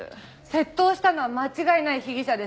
窃盗したのは間違いない被疑者ですよ。